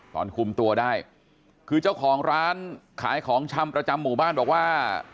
ตอนคุมตัวได้คือเจ้าของร้านขายของชำประจำหมู่บ้านบอกว่า